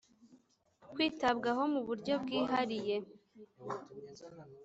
kwitabwaho mu buryo bwihariye